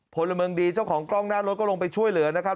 พลเมืองดีเจ้าของกล้องหน้ารถก็ลงไปช่วยเหลือนะครับ